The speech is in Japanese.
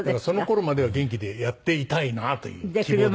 その頃までは元気でやっていたいなという。